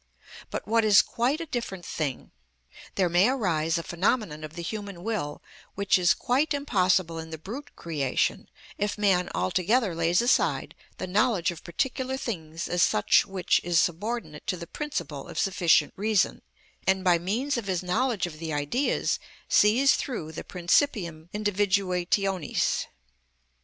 But, what is quite a different thing, there may arise a phenomenon of the human will which is quite impossible in the brute creation, if man altogether lays aside the knowledge of particular things as such which is subordinate to the principle of sufficient reason, and by means of his knowledge of the Ideas sees through the principium individuationis.